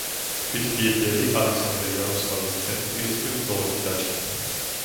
თვით ბირგერი ალექსანდრე იაროსლავის ძემ პირისპირ ბრძოლაში დაჭრა.